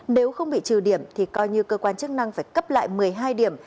nếu không bị trừ điểm thì coi như cơ quan chức năng phải cấp lại một mươi hai điểm